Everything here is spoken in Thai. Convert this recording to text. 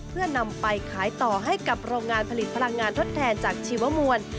เพื่อนำไปขายต่อให้กับโรงงานผลิตพลังงานทดแทนจากชีวมวล